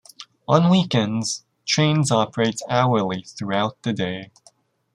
On weekends, trains operate hourly throughout the day.